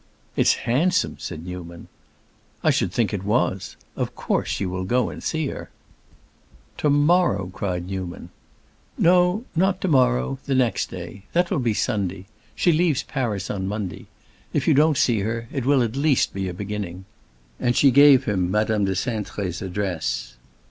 "It's handsome!" said Newman. "I should think it was! Of course you will go and see her." "To morrow!" cried Newman. "No, not to morrow; the next day. That will be Sunday; she leaves Paris on Monday. If you don't see her; it will at least be a beginning." And she gave him Madame de Cintré's address.